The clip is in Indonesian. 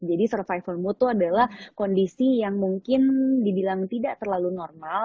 jadi survival mode tuh adalah kondisi yang mungkin dibilang tidak terlalu normal